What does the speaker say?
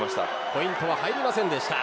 ポイントは入りませんでした。